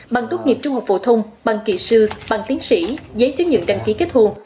bằng tốt nghiệp trung học phổ thông bằng kỳ sư bằng tiến sĩ giấy chứng nhận đăng ký kết hôn